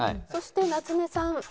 そして夏目さん。